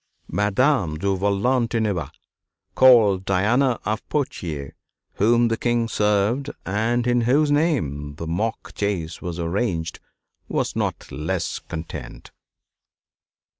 Madame de Valentinois, called Diana of Poitiers, whom the King served and in whose name the mock chase was arranged, was not less content.